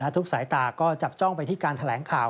ทุกสายตาก็จับจ้องไปที่การแถลงข่าว